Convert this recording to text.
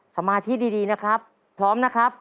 สมาธิดีนะครับพร้อมนะครับ